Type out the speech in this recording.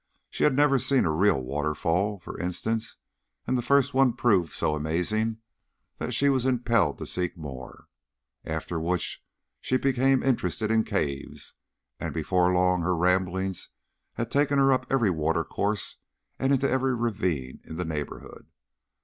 She had never seen a real waterfall, for instance, and the first one proved so amazing that she was impelled to seek more, after which she became interested in caves, and before long her ramblings had taken her up every watercourse and into every ravine in the neighborhood.